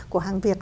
của hàng việt